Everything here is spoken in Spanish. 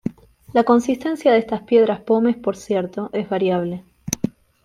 La consistencia de estas piedras pómez por cierto es variable.